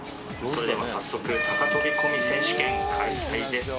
それでは早速高飛び込み選手権開催です